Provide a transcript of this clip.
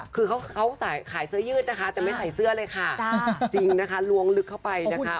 คือเขาขายเสื้อยืดนะคะแต่ไม่ใส่เสื้อเลยค่ะจริงนะคะลวงลึกเข้าไปนะคะ